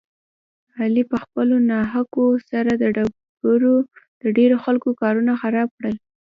علي په خپلو ناحقو سره د ډېرو خلکو کارونه خراب کړل.